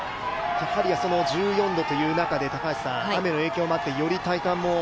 １４度という中で、雨の影響もあって、より体感も？